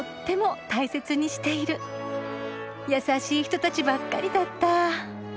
やさしい人たちばっかりだった。